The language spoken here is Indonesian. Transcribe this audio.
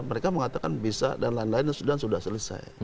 mereka mengatakan bisa dan lain lain sudah selesai